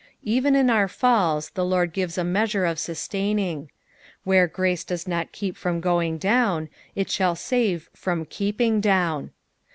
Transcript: Even in our falls the Lord gives a measure of suBtaining. Where grace does not keep from going down, it shall save from keeping down.